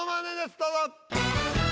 どうぞ。